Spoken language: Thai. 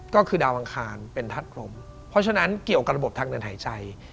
ก็คือดาวอังคารเป็นทัดพรมเพราะฉะนั้นเกี่ยวกับระบบทางเดินหายใจ